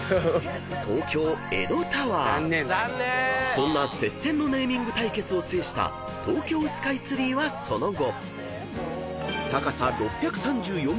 ［そんな接戦のネーミング対決を制した東京スカイツリーはその後］